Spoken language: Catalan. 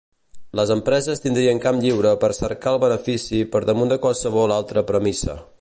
Les empreses tindrien camp lliure per cercar el benefici per damunt de qualsevol altra premissa.